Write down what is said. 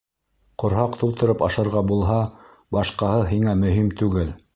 Ҡорһаҡ тултырып ашарға булһа, башҡаһы һиңә меһим түгел.